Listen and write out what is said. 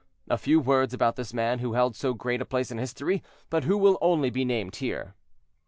A few words about this man, who held so great a place in history, but who will only be named here.